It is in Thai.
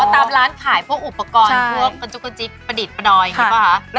อ๋อตามร้านขายพวกอุปกรณ์เพื่อกันจุกจิกประดิษฐ์ประดอยอย่างนี้ป่ะคะ